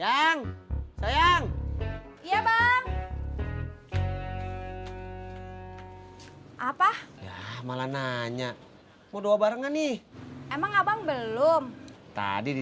bang sayang iya bang apa ya malah nanya mau doa barengan nih emang abang belum tadi di